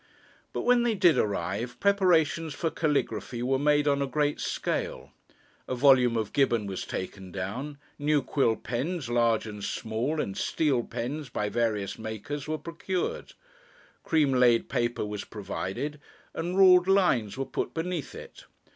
But when they did arrive, preparations for calligraphy were made on a great scale; a volume of Gibbon was taken down, new quill pens, large and small, and steel pens by various makers were procured; cream laid paper was provided, and ruled lines were put beneath it.